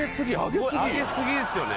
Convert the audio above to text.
あげ過ぎですよね。